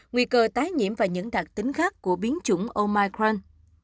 nguy cơ tái nhiễm và những đặc tính khác của biến chủng omicrand